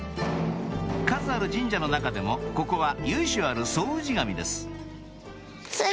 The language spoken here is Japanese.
数ある神社の中でもここは由緒ある総氏神です